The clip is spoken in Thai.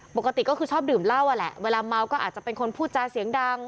ปกติก็คือชอบดื่มเหล้าอ่ะแหละเวลาเมาก็อาจจะเป็นคนพูดจาเสียงดัง